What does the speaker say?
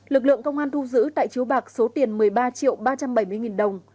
lực lượng công an thu giữ tại chiếu bạc số tiền một mươi ba triệu ba trăm bảy mươi nghìn đồng